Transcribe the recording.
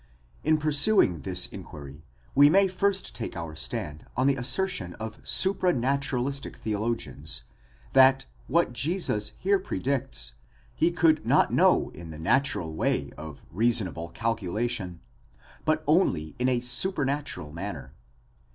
In pursuing this in quiry, we may first take our stand on the assertion of supranaturalistic theo logians, that what Jesus here predicts, he could not know in the natural way of reasonable calculation, but only in a supernatural manner.